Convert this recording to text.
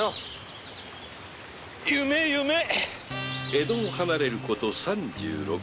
江戸を離れること三十六里。